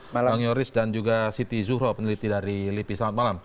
bang yoris dan juga siti zuhro peneliti dari lipi selamat malam